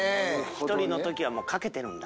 一人の時はかけてるんだ。